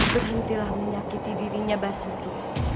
berhentilah menyakiti dirinya basuki